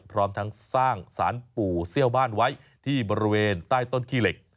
พร้อมทั้งสร้างสารปู่เซี่ยวบ้านไว้ที่บริเวณใต้ต้นขี้เหล็ก